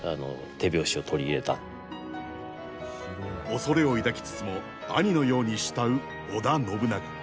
恐れを抱きつつも兄のように慕う織田信長。